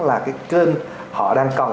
là cái kênh họ đang cần